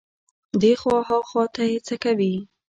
دې خوا ها خوا ته يې څکوي.